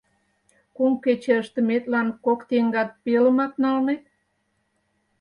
Кум кече ыштыметлан кок теҥгат пелымак налнет?